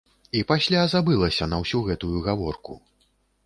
І пасля забылася на ўсю гэтую гаворку.